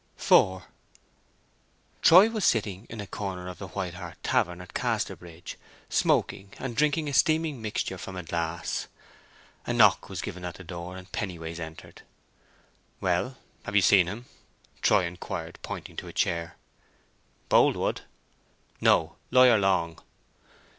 IV Troy was sitting in a corner of The White Hart tavern at Casterbridge, smoking and drinking a steaming mixture from a glass. A knock was given at the door, and Pennyways entered. "Well, have you seen him?" Troy inquired, pointing to a chair. "Boldwood?" "No—Lawyer Long."